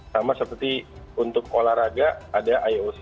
sama seperti untuk olahraga ada ioc